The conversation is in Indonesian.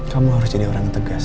kamu harus jadi orang tegas